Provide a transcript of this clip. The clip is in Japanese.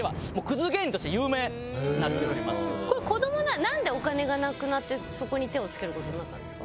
これ子どものはなんでお金がなくなってそこに手をつける事になったんですか？